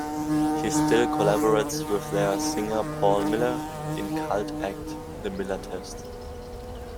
He still collaborates with their singer Paul Miller in cult act the Miller Test.